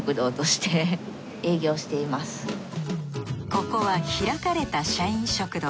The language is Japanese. ここは開かれた社員食堂。